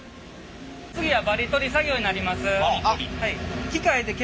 次はバリ取り作業になります。